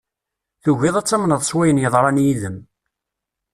Tugiḍ ad tamneḍ s wayen yeḍran yid-m.